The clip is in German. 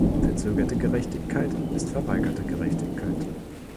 Verzögerte Gerechtigkeit ist verweigerte Gerechtigkeit.